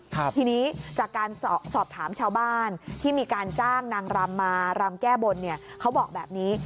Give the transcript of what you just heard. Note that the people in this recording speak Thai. ทีนี้จากการสอบถามชาวบ้านที่มีการจ้างนางรำมารำแก้บนเนี่ยเขาบอกแบบนี้